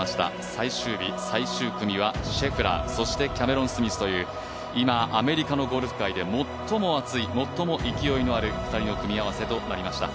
最終日最終組はシェフラー、キャメロン・スミスという今、アメリカのゴルフ界で最も熱い、最も勢いのある２人の組み合わせとなりました